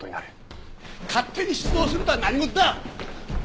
勝手に出動するとは何事だ！